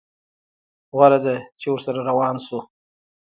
غوره ده چې ورسره روان شو.